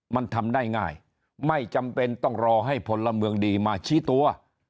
มันทำได้ง่ายไม่จำเป็นต้องรอให้พลเมืองดีมาชี้ตัว